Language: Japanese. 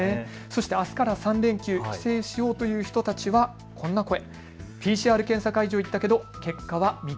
そしてあすから３連休、帰省しようという人たちはこんな声。